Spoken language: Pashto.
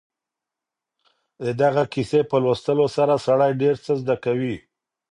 د دغې کیسې په لوستلو سره سړی ډېر څه زده کوي.